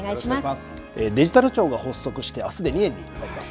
デジタル庁が発足してあすで２年になります。